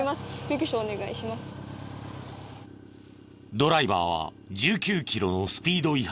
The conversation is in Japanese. ドライバーは１９キロのスピード違反。